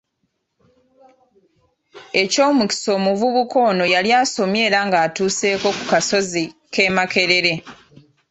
Eky'omukisa omuvubuka ono yali asomye era nga atuuseeko ku kasozi ke Makerere.